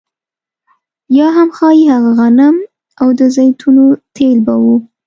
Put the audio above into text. یا هم ښايي هغه غنم او د زیتونو تېل به وو